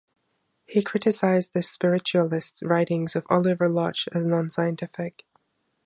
He criticised the spiritualist writings of Oliver Lodge as non-scientific.